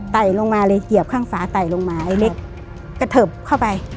ลงมาเลยเหยียบข้างฝาไต่ลงมาไอ้เล็กกระเทิบเข้าไป